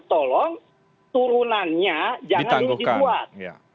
tolong turunannya jangan dibuat